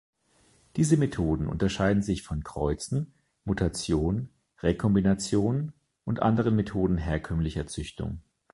Diese Methoden unterscheiden sich von Kreuzen, Mutation, Rekombination und anderen Methoden herkömmlicher Züchtung.